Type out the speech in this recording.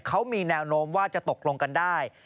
เขามีแนวโน้มว่าจะตกลงกันได้